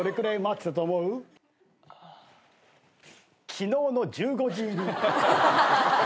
昨日の１５時入り。